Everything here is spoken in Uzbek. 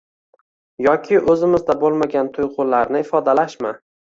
yoki o’zimizda bo’lmagan tuyg’ularni ifodalashmi?